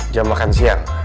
jam makan siang